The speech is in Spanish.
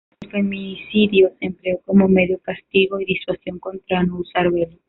El feminicidio se empleó como medio castigo y disuasión contra no usar velo.